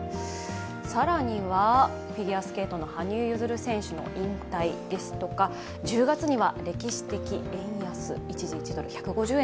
更にはフィギュアスケートの羽生結弦選手の引退ですとか、１０月には歴史的円安一時、１ドル＝１５０円